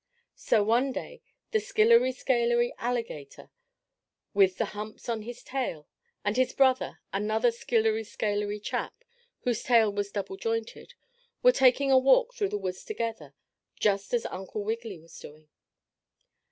So, one day, the skillery scalery alligator with the humps on his tail, and his brother, another skillery scalery chap, whose tail was double jointed, were taking a walk through the woods together just as Uncle Wiggily was doing.